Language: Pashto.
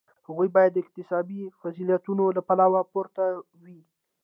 هغوی باید د اکتسابي فضیلتونو له پلوه ورته وي.